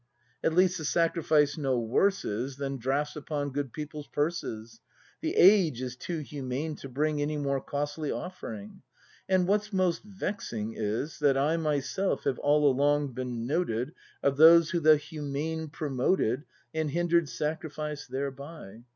At least, the sacrifice no worse is Than drafts upon good people's purses; The age is too humane to bring Any more costly ofl^ering. And what's most vexing is, that I Myself have all along been noted Of those who the Humane promoted And hinder'd sacrifice therebv.